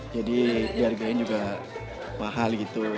jadi biar biar juga mahal gitu